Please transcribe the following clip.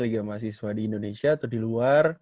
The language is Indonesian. liga mahasiswa di indonesia atau di luar